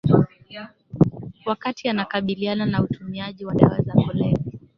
Wakati anakabiliana na utumiaji wa dawa za kulevya